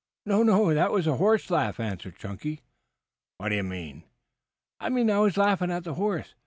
"No, that was a horse laugh," answered Chunky. "What d'ye mean?" "I mean I was laughing at the horse.